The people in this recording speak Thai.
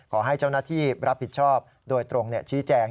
ขอให้เจ้าหน้าที่รับผิดชอบโดยตรงชี้แจง